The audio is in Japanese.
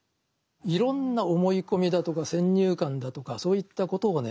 いろんな思い込みだとか先入観だとかそういったことをね